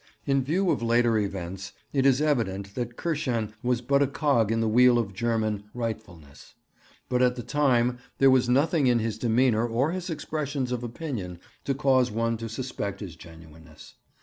In view of later events it is evident that Kirschen was but a cog in the wheel of German 'rightfulness'; but at the time there was nothing in his demeanour or his expressions of opinion to cause one to suspect his genuineness.